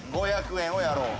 ５００円をやろう。